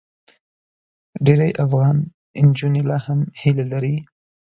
ډېری افغان نجونې لا هم هیله لري.